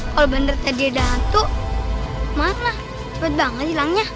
kalau bener tadi ada hantu marah cepat banget hilangnya